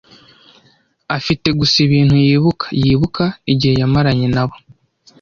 Afite gusa ibintu yibuka yibuka igihe yamaranye nabo.